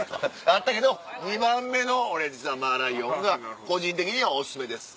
あったけど２番目のマーライオンが個人的にはお薦めです。